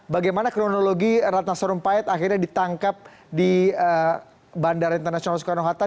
bagaimana kronologi ratna sarumpayat akhirnya ditangkap di bandara internasional soekarno hatta